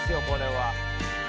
これは。